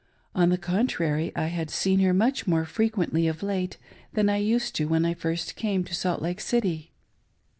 On the contrary, I had seen her much more freqiiently of late than I used to when I first came to Salt Lake City.